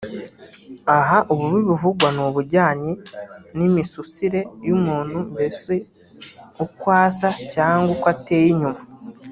Aha ububi buvugwa ni ubujyanye n'imisusire y'umuntu mbese uko asa cg uko ateye inyuma